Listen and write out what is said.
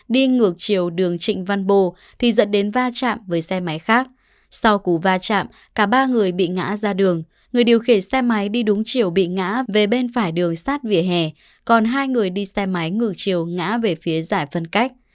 tại đường trịnh văn bô dẫn đến va chạm với xe máy khác sau củ va chạm cả ba người bị ngã ra đường người điều khiển xe máy đi đúng chiều bị ngã về bên phải đường sát vỉa hè còn hai người đi xe máy ngược chiều ngã về phía giải phân cách